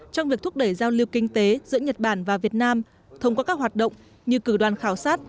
trong việc thúc đẩy giao lưu kinh tế giữa nhật bản và việt nam thông qua các hoạt động như cử đoàn khảo sát